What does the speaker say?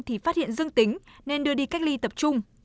thì phát hiện dương tính nên đưa đi cách ly tập trung